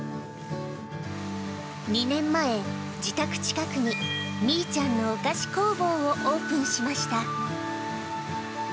２年前、自宅近くにみいちゃんのお菓子工房をオープンしました。